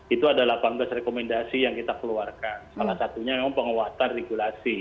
itu ada delapan belas rekomendasi yang kita keluarkan salah satunya memang penguatan regulasi